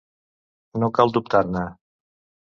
No cal dubtar-ne.